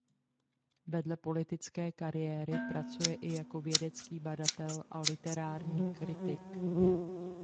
Vedle politické kariéry pracuje i jako vědecký badatel a literární kritik.